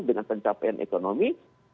dengan pencapaian ekonomi